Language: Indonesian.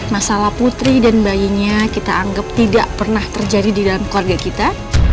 masalah putri dan bayinya kita anggap tidak pernah terjadi di dalam keluarga kita